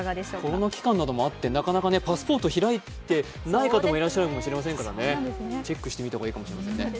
コロナ期間などもあってなかなかパスポートを開いてない方も多いかもしれませんのでチェックしてみた方がいいかもしれませんね。